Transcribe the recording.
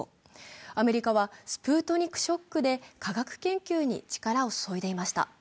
アメリカはスプートニクショックで科学研究に力を注いでいました。